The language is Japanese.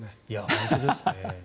本当ですね。